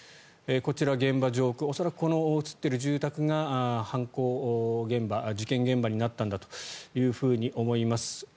こちらは現場上空恐らく映っているこの住宅が事件現場になったんだというふうに思います。